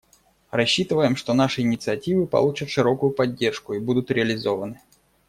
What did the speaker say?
Рассчитываем, что наши инициативы получат широкую поддержку и будут реализованы.